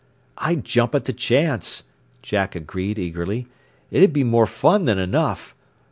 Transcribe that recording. "I'd jump at the chance," Jack agreed eagerly. "It'd be more fun than enough.